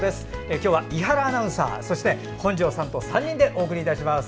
今日は伊原アナウンサーそして本庄さんと３人でお送りします。